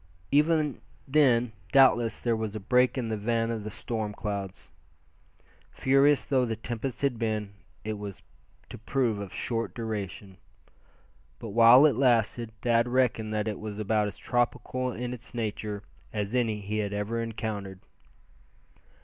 Even then doubtless there was a break in the van of the storm clouds. Furious though the tempest had been, it was to prove of short duration. But while it lasted Thad reckoned that it was about as tropical in its nature as any he had ever encountered.